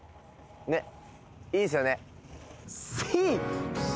ねっいいですよねシー！